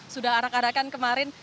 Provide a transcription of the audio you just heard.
sudah arak arakan kemarin